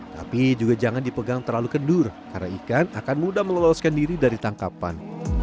tapi juga jangan dipegang terlalu kendur karena ikan akan mudah meloloskan diri dari tangkapan